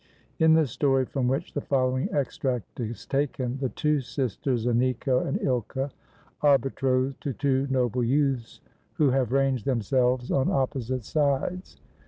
In the story from which the following extract is taken, the two sisters, Aniko and Ilka, are betrothed to two noble youths who have ranged themselves on opposite sides.